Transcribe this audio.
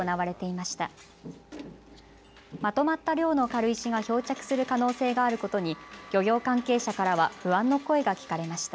まとまった量の軽石が漂着する可能性があることに漁業関係者からは不安の声が聞かれました。